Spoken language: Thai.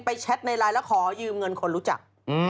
แชทในไลน์แล้วขอยืมเงินคนรู้จัก